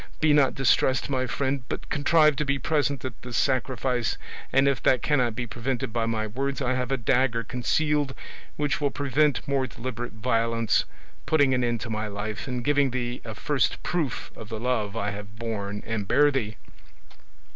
Be not distressed, my friend, but contrive to be present at this sacrifice, and if that cannot be prevented by my words, I have a dagger concealed which will prevent more deliberate violence, putting an end to my life and giving thee a first proof of the love I have borne and bear thee.